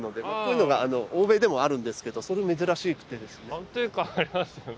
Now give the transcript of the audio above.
安定感ありますよね。